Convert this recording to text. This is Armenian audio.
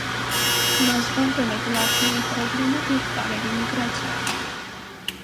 Նա զբաղվել է կլարկների պրոբլեմով և տարրերի միգրացիայով։